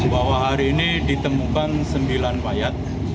bahwa hari ini ditemukan sembilan mayat